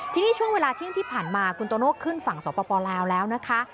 ทีนี้ช่วงเวลาเที่ยงที่ผ่านมาคุณโตโน่ขึ้นฝั่งสปลาวแล้วนะคะ